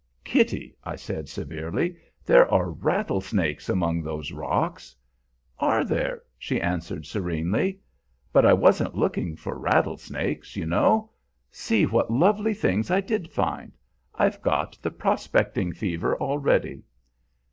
"Kitty," I said severely, "there are rattlesnakes among those rocks." "Are there?" she answered serenely. "But I wasn't looking for rattlesnakes, you know. See what lovely things I did find! I've got the 'prospecting' fever already."